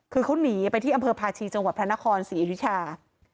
คือเขาหนีไปที่อำเภอพาชีจังหวัดพระนครศรีอยุชา